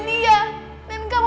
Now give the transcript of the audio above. kamu harus mencari aku